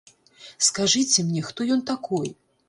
Скажыце мне, хто ён такой?